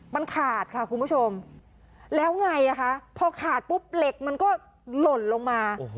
มันขาดค่ะคุณผู้ชมแล้วไงคะพอขาดปุ๊บเหล็กมันก็หล่นลงมา